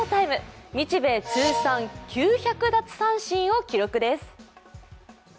日米通算９００奪三振を記録です。